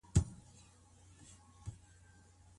خاوند د خپل مالي توان په اندازه مسؤل دی.